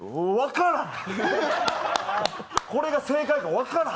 分からん。